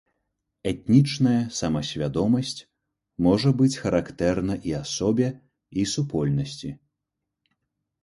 Этнічная самасвядомасць можа быць характэрна і асобе, і супольнасці.